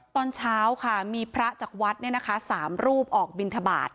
ตอนเช้าค่ะมีพระจากวัด๓รูปออกบินทบาท